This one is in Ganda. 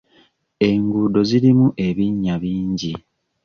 Enguudo zirimu ebinnya bingi.